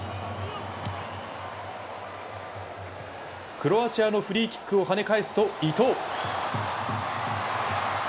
クロアチアのフリーキックを跳ね返すと伊東。